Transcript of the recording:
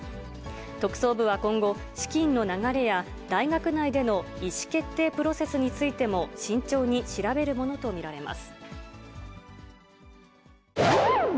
特捜部は今後、資金の流れや大学内での意思決定プロセスについても慎重に調べるものと見られます。